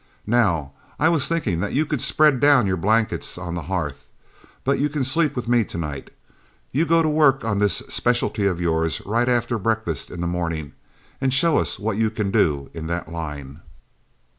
Now, I was thinking that you could spread down your blankets on the hearth, but you can sleep with me to night. You go to work on this specialty of yours right after breakfast in the morning, and show us what you can do in that line.'